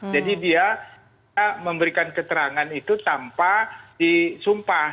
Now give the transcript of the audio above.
jadi dia memberikan keterangan itu tanpa disumpah